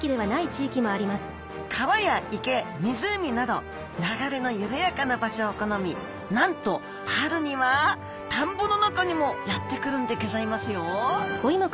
川や池湖など流れの緩やかな場所を好みなんと春には田んぼの中にもやって来るんでギョざいますよ！